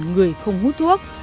người không hút thuốc